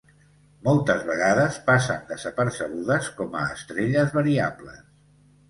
Moltes vegades passen desapercebudes com a estrelles variables.